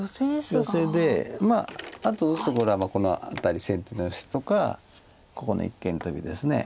ヨセでまああと打つところはこの辺り先手のヨセとかここの一間トビです。